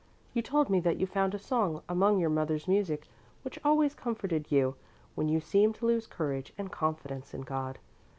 You told me that you found a song among your mother's music which always comforted you when you seemed to lose courage and confidence in God.